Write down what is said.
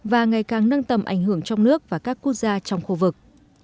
và ngày càng nâng tầm ảnh hưởng trong nước và các quốc gia trong khu vực